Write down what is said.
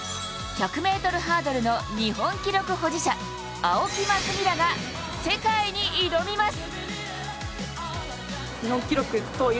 １００ｍハードルの日本記録保持者、青木益未らが世界に挑みます。